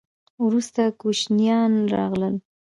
وروسته کوشانیان راغلل